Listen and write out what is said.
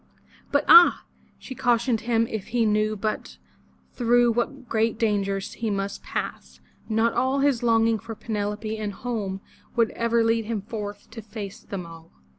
But ah! she cautioned him if he but knew through what great dangers he must pass, not all his longing for Penelope and home would ever lead him forth to face them all.